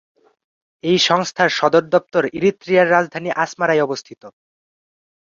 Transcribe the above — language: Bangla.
এই সংস্থার সদর দপ্তর ইরিত্রিয়ার রাজধানী আসমারায় অবস্থিত।